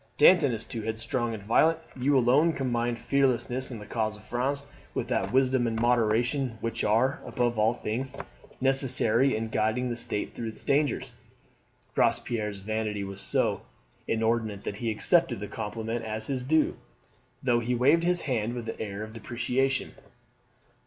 Danton is too headstrong and violent. You alone combine fearlessness in the cause of France with that wisdom and moderation which are, above all things, necessary in guiding the state through its dangers." Robespierre's vanity was so inordinate that he accepted the compliment as his due, though he waved his hand with an air of deprecation.